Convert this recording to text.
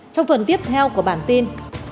trong phần tiếp theo của bản tin